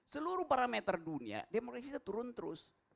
seluruh parameter dunia demokrasi kita turun terus